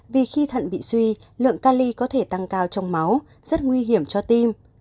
vì khi thận bị suy lượng ca ly có thể tăng cao trong máu rất nguy hiểm cho tim